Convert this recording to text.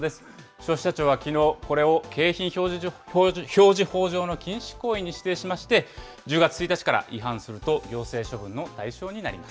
消費者庁はきのう、これを景品表示法上の禁止行為に指定しまして、１０月１日から違反すると行政処分の対象になりま